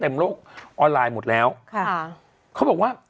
อุ้ยจังหวัด